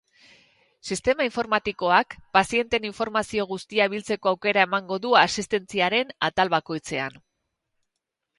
Sistema informatikoak, pazienteen informazio guztia biltzeko aukera emango du asistentziaren atal bakoitzean.